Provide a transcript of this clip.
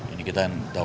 ini kita tahu